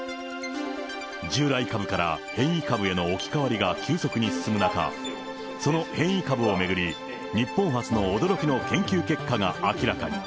従来株から変異株への置き換わりが急速に進む中、その変異株を巡り、日本初の驚きの研究結果が明らかに。